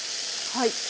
はい。